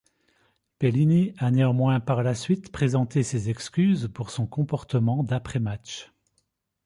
Pelini a néanmoins par la suite présenté ses excuses pour son comportement d'après match.